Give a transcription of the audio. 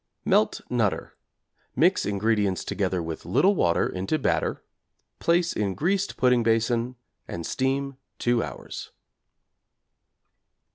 Melt 'Nutter,' mix ingredients together with little water into batter; place in greased pudding basin and steam 2 hours.